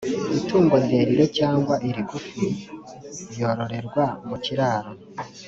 itungo rirerire cyangwa irigufi yororerwa mu kiraro,